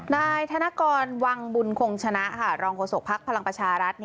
นายธนกรวังบุญคงชนะรองโศกภัครังประชารัฐ